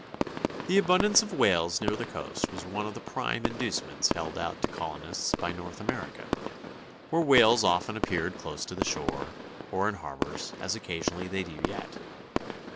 ] The abundance of whales near the coast was one of the prime inducements held out to colonists by North America, where whales often appeared close to the shore, or in harbors, as occasionally they do yet.